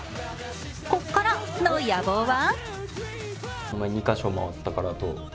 「こっから」の野望は？